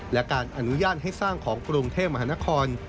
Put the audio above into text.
และการอนุญาตให้สร้างของกรุงเทพมหานคร